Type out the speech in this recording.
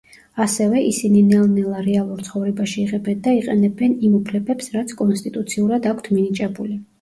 ასევე ისინი ნელ-ნელა რეალურ ცხოვრებაში იღებენ და იყენებენ იმ უფლებებს რაც კონსტიტუციურად აქვთ მინიჭებული.